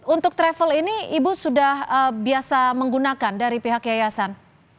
untuk travel ini ibu sudah biasa menggunakan dari pihak yayasan